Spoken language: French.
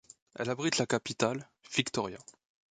Elle abrite la capitale, Victoria.